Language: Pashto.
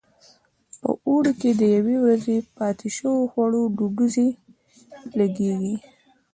په اوړي کې د یوې ورځې پاتې شو خوړو ډډوزې لګېږي.